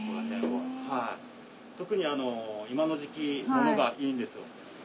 特に今の時期ものがいいんですよ。